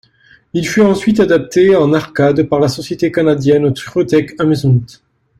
Il fut ensuite adapté en arcade par la société canadienne Triotech Amusement.